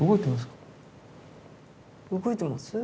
動いてますか？